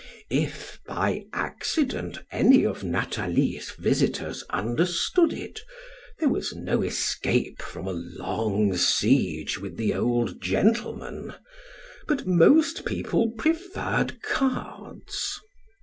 If, by accident, any of Nathalie's visitors understood it, there was no escape from a long siege with the old gentleman; but most people preferred cards.